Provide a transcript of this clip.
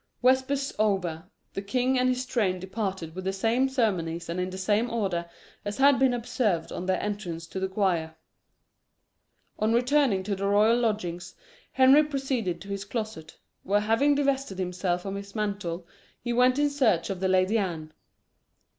Vespers over, the king and his train departed with the same ceremonies and in the same order as had been observed on their entrance to the choir. On returning to the royal lodgings, Henry proceeded to his closet, where having divested himself of his mantle, he went in search of the Lady Anne.